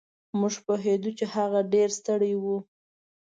مونږ پوهېدو چې هغه ډېر ستړی و.